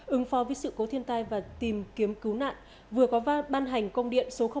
ứng phó với sự cố thiên tai và tìm kiếm cứu nạn vừa có ban hành công điện số năm